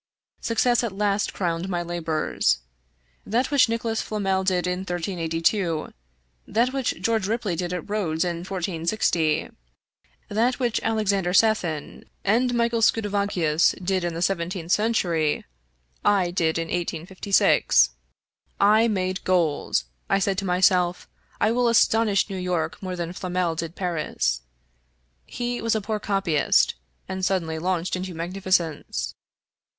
Success at last crowned my labors. That which Nicholas Flamel did in 1382, that which George Ripley did at Rhodes in 1460, that which Alexander Sethon and Michael Scudi vogius did in the seventeenth century, I did in 1856. I made gold ! I said to myself, ' I will astonish New York more than Flamel did Paris.' He was a poor copyist, and suddenly launched into magnificence.